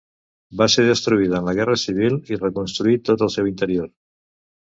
Va ser destruïda en la guerra civil i reconstruït tot el seu interior.